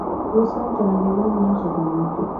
روسان تر انګریزانو لا خطرناک دي.